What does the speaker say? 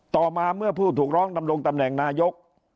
ต่อมาเมื่อผู้ถูกร้องดำรงตำแหน่งนายก